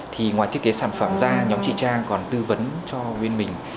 thì ngoài thiết kế sản phẩm ra nhóm chị trang còn tư vấn cho bên mình